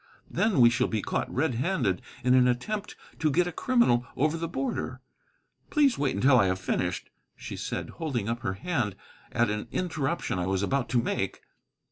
Then we shall be caught red handed in an attempt to get a criminal over the border. Please wait until I have finished," she said, holding up her hand at an interruption I was about to make.